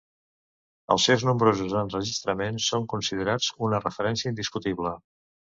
Els seus nombrosos enregistraments són considerats una referència indiscutible.